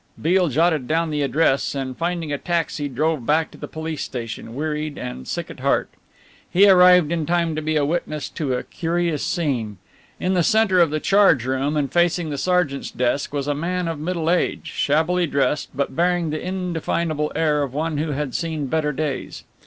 Beale jotted down the address and finding a taxi drove back to the police station, wearied and sick at heart. He arrived in time to be a witness to a curious scene. In the centre of the charge room and facing the sergeant's desk was a man of middle age, shabbily dressed, but bearing the indefinable air of one who had seen better days.